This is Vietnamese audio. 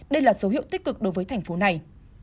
đây là số hiệu tích cực đối với thành phố này